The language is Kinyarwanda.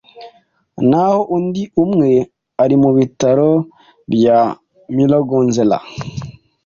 naho undi umwe ari mu bitaro bya Mloganzila.